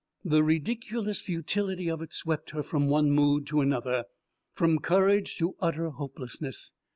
The ridiculous futility of it swept her from one mood to another, from courage to utter hopelessness.